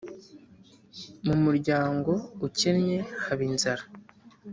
Mu muryango ukennye haba inzara.